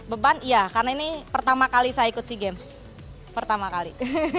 beban iya karena ini pertama kali saya ikut sea games pertama kali